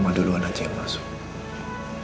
sama duluan aja yang masuk